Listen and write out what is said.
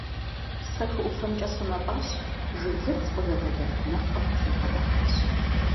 Сэ хы ӀуфэмкӀэ сунэтӀащ, жыглыц къызэлэлэх нэпкъым сыбгъэдыхьащ.